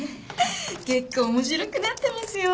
結構面白くなってますよ。